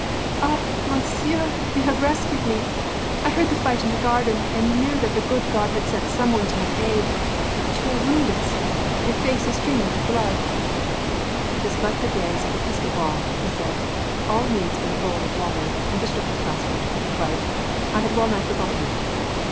"Ah, monsieur, you have rescued me! I heard the fight in the garden, and knew that the good God had sent someone to my aid. But you are wounded, sir. Your face is streaming with blood." "'Tis but the graze of a pistol ball," he said, "and needs but a bowl of water, and a strip of plaster, to put it right. I had well nigh forgotten it.